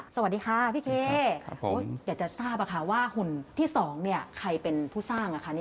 สวัสดีค่ะพี่เคอยากจะทราบว่าหุ่นที่๒ใครเป็นผู้สร้าง